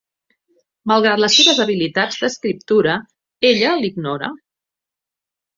Malgrat les seves habilitats d'escriptura, ella l'ignora.